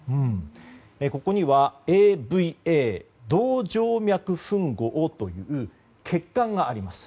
ここにはＡＶＡ・動静脈吻合という血管があります。